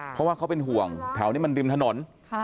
เพราะว่าเขาเป็นห่วงแถวนี้มันริมถนน